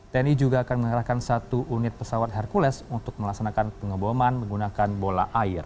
tni juga akan mengerahkan satu unit pesawat hercules untuk melaksanakan pengeboman menggunakan bola air